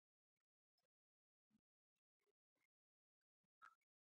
منظم ورزش د وزن کمولو کې مرسته کوي.